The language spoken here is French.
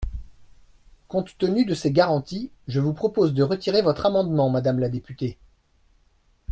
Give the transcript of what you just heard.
Compte tenu de ces garanties, je vous propose de retirer votre amendement, madame la députée.